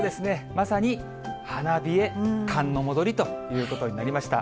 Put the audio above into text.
まさに花冷え、寒の戻りということになりました。